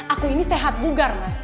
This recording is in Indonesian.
aku ini sehat bugar mas